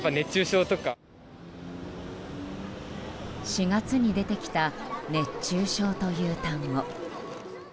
４月に出てきた熱中症という単語。